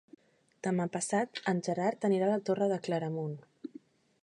Demà passat en Gerard anirà a la Torre de Claramunt.